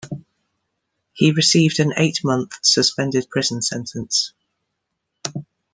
He received an eight-month suspended prison sentence.